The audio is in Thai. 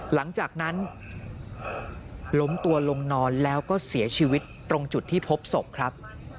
หลังจากนั้นล้มตัวลงนอนแล้วก็เสียชีวิตตรงจุดที่พบศพครับ